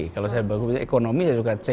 kalau saya baca buku ekonomi saya suka c